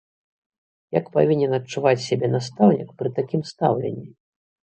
Як павінен адчуваць сябе настаўнік пры такім стаўленні?